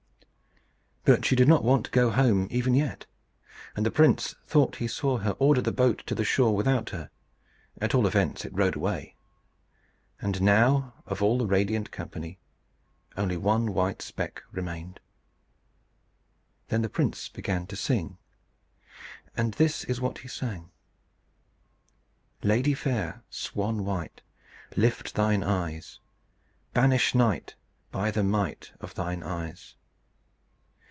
But she did not want to go home even yet, and the prince thought he saw her order the boat to the shore without her. At all events, it rowed away; and now, of all the radiant company, only one white speck remained. Then the prince began to sing. And this is what he sang: "Lady fair, Swan white, Lift thine eyes Banish night By the might Of thine eyes.